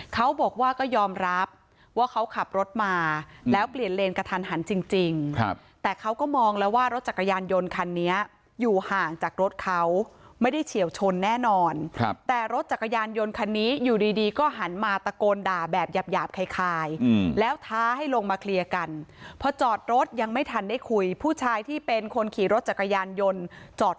เขาบอกว่าก็ยอมรับว่าเขาขับรถมาแล้วเปลี่ยนเลนกระทันหันจริงแต่เขาก็มองแล้วว่ารถจักรยานยนต์คันนี้อยู่ห่างจากรถเขาไม่ได้เฉียวชนแน่นอนครับแต่รถจักรยานยนต์คันนี้อยู่ดีดีก็หันมาตะโกนด่าแบบหยาบคล้ายแล้วท้าให้ลงมาเคลียร์กันพอจอดรถยังไม่ทันได้คุยผู้ชายที่เป็นคนขี่รถจักรยานยนต์จอด